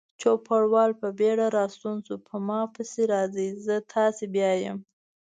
چوپړوال په بیړه راستون شو: په ما پسې راځئ، زه تاسې بیایم.